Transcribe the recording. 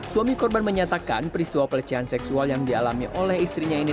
suami korban menyatakan peristiwa pelecehan seksual yang dialami oleh istrinya ini